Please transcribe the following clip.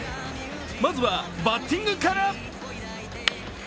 まずはバッティングから。